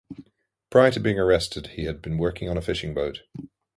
Prior to being arrested he had been working on a fishing boat.